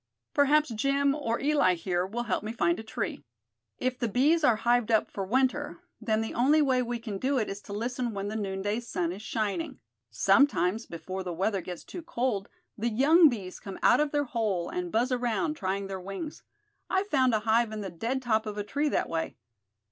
"Perhaps Jim, or Eli here, will help me find a tree. If the bees are hived up for winter, then the only way we can do it is to listen when the noonday sun is shining. Sometimes, before the weather gets too cold, the young bees come out of their hole, and buzz around, trying their wings. I've found a hive in the dead top of a tree that way."